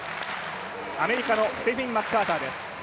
アメリカのステフィン・マッカーターです。